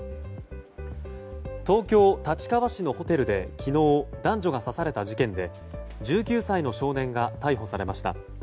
東京・立川市のホテルで昨日、男女が刺された事件で１９歳の少年が逮捕されました。